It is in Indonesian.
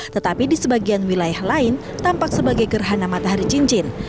tetapi di sebagian wilayah lain tampak sebagai gerhana matahari cincin